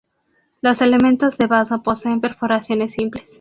Los elementos de vaso poseen perforaciones simples.